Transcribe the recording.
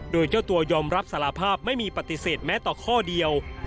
โดยเจ้าตัวยอมรับสารภาพไม่มีปฏิเสธแม้แต่ข้อเดียว